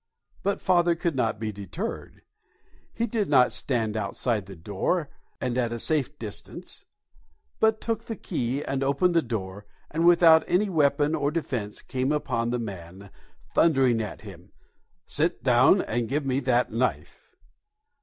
But father could not be deterred. He did not stand outside the door and at a safe distance, but took the key and opened the door, and without any weapon of defence came upon the man, thundering at him, "Sit down and give me that knife!"